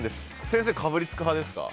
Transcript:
先生かぶりつく派ですか？